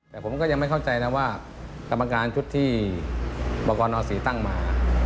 แต่ผมก็ยังไม่เข้าใจนะว่ากรรมการชุดที่บกรณศรีตั้งมา